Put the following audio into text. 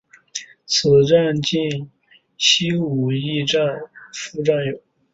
此站近西武秩父站有。